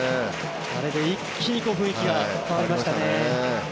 あれで一気に雰囲気が変わりましたね。